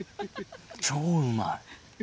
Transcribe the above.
超うまい。